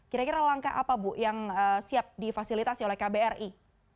kira kira langkah apa bu yang siap difasilitasi oleh kbri